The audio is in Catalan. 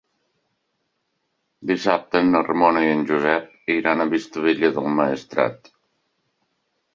Dissabte na Ramona i en Josep iran a Vistabella del Maestrat.